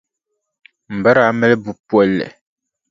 M ba daa mali buʼ polli.